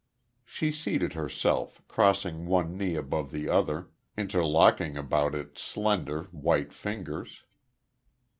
She seated herself, crossing one knee above the over, interlocking about it slender, white fingers.